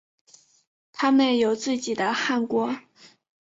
他们有自己的汗国。